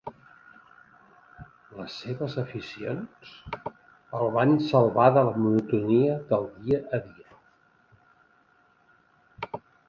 Les seves aficions el van salvar de la monotonia del dia a dia.